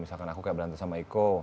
misalkan aku berhenti sama iko